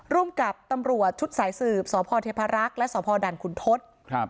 ร่วมกับตำรวจชุดสายสืบสพเทพรักษ์และสพด่านขุนทศ